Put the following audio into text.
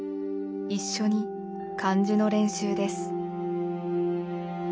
一緒に漢字の練習です。